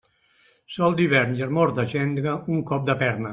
Sol d'hivern i amor de gendre, un cop de perna.